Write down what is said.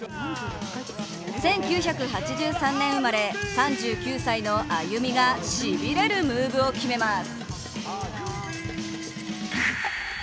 １９８３年生まれ、３９歳のＡＹＵＭＩがしびれるムーブを決めます。